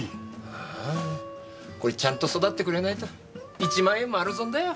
あーあこれちゃんと育ってくれないと１万円丸損だよ。